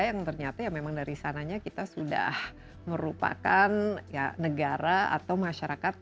yang ternyata ya memang dari sananya kita sudah merupakan negara atau masyarakat